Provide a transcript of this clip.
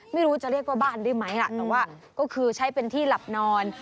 ไม่รู้ว่าจะเรียกว่าบ้านได้ไหมล่ะแต่ว่าก็คือใช้เป็นที่หลับนอน